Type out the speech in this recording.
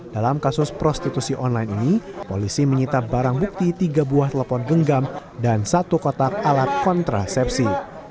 dalam kasus prostitusi online ini polisi menyita barang bukti tiga buah telepon genggam dan satu kotak alat kontrasepsi